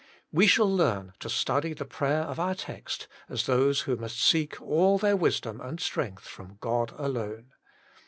We shall learn to study the prayer of our text as those who must seek all their wisdom and strength from God alone.